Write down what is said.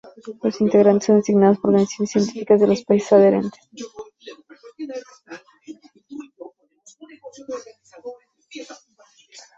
Los integrantes son designados por organizaciones científicas de los países adherentes.